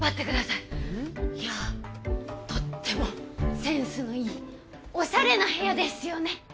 いやとってもセンスのいいおしゃれな部屋ですよね！